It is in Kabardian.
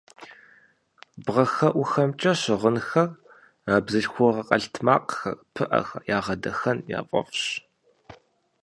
Бгъэхэӏухэмкӏэ щыгъынхэр, бзылъхугъэ къэлътмакъхэр, пыӏэхэр ягъэдахэн яфӏэфӏщ.